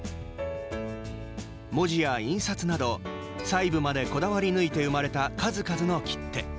文字や印刷など細部までこだわり抜いて生まれた数々の切手。